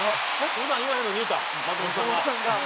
普段言わへんのに言うた松本さんが」